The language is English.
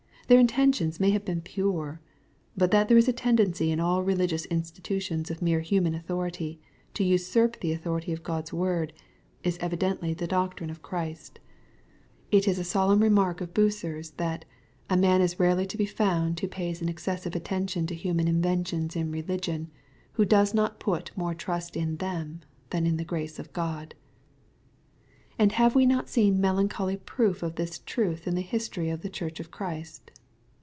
Their intentions may have been pure. But that there is a tendency in all religious insti tutions of mere human authority, to usurp the authority of God's word, is evidently the doctrine of Christ. It MATTHEW, CHAP. XV. 173 18 a solemn remark of Bucer's^ that ^^ a man is rarely to be found, who pays an excessive attention to human inventions in religion, who does not put moie trust in them than in the grace of God." And have we not seen melancholy proof of this truth, in the history of the Church of Christ